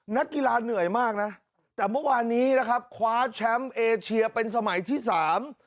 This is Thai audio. นักกีฬาเหนื่อยมากนะแต่เมื่อวานนี้นะครับคว้าแชมป์เอเชียเป็นสมัยที่สาม